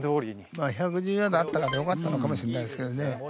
１１０ヤードあったからよかったのかもしれないですけど。